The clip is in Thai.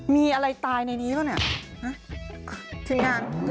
มีอะไรตายในนี้แล้วเนี่ยทิ้งทาง